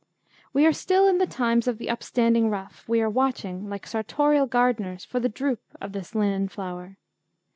We are still in the times of the upstanding ruff; we are watching, like sartorial gardeners, for the droop of this linen flower.